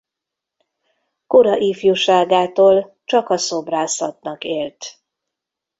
Kora ifjúságától csak a szobrászatnak élt.